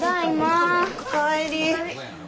お帰り。